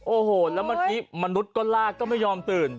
โอ้โหแล้วเมื่อกี้มนุษย์ก็ลากก็ไม่ยอมตื่น